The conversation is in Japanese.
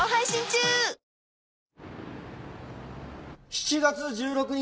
７月１６日。